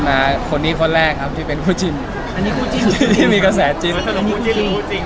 มีมีมีมีมีมีมีมีมีมีมีมีมีมีมีมีมีมีมีมีมี